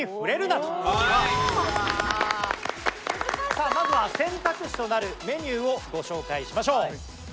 さあまずは選択肢となるメニューをご紹介しましょう。